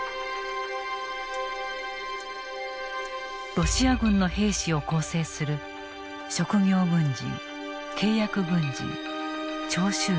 ロシア軍の兵士を構成する職業軍人契約軍人徴集兵。